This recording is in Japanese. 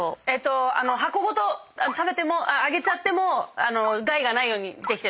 箱ごとあげちゃっても害がないようにできてる。